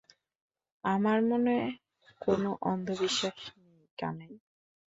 আমার মনে কোনো অন্ধ বিশ্বাস নেই কানাই।